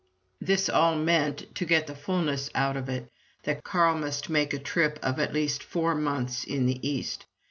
This all meant, to get the fulness out of it, that Carl must make a trip of at least four months in the East.